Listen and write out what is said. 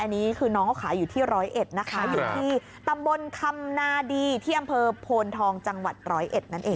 อันนี้คือน้องเขาขายอยู่ที่ร้อยเอ็ดนะคะอยู่ที่ตำบลคำนาดีที่อำเภอโพนทองจังหวัดร้อยเอ็ดนั่นเอง